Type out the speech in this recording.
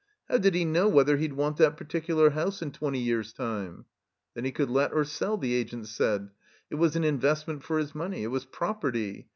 How did he know whether he'd want that particular house in twenty years' time ? Then he cotdd let or sell, the Agent said. It was an investment for his money. It was property.